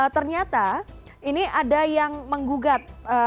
ternyata ini ada yang menggugat